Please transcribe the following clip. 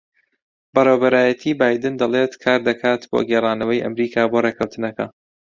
بەڕێوەبەرایەتیی بایدن دەڵێت کار دەکات بۆ گێڕانەوەی ئەمریکا بۆ ڕێککەوتنەکە